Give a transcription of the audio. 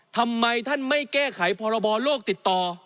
ทำไมท่านไม่แก้ไขพรบโลกติดต่อ